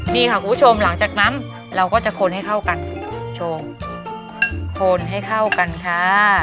นี่ค่ะคุณผู้ชมหลังจากนั้นเราก็จะคนให้เข้ากันชมคนให้เข้ากันค่ะ